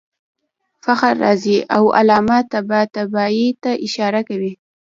فخر رازي او علامه طباطبايي ته اشاره کوي.